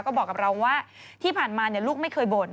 ก็บอกกับเราว่าที่ผ่านมาลูกไม่เคยบ่น